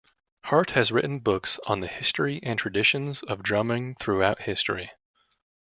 Hart has written books on the history and traditions of drumming throughout history.